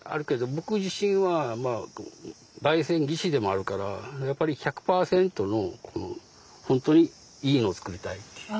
僕自身は焙煎技師でもあるからやっぱり１００％の本当にいいのを作りたいっていう。